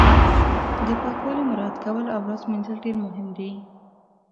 د پاکوالي مراعت کول او لاس مینځل ډیر مهم دي